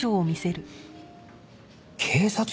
警察？